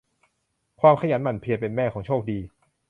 ความขยันหมั่นเพียรเป็นแม่ของโชคดี